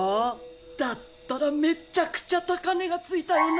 だったらめっちゃくちゃ高値が付いたよな？